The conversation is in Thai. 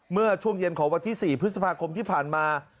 เมื่อช่วงเย็นของวันที่๔พฤษภาคมที่ผ่านมา